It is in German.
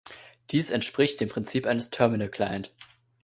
Dies entspricht dem Prinzip eines Terminal-Client.